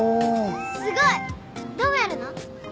すごい！どうやるの？